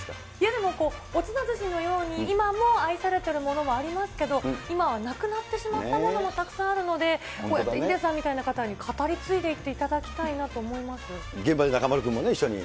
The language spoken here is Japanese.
でもおつな寿司のように、今も愛されてるものもありますけど、今はなくなってしまったものもたくさんあるので、こうやってヒデさんみたいな方に語り継いでいっていただきたいな現場で中丸君も一緒に。